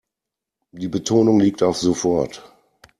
Die Betonung liegt auf sofort.